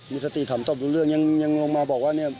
มีสติถามตอบรู้เรื่องยังลงมาบอกว่าเนี่ย